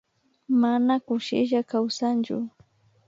Mana kushilla kawsanllu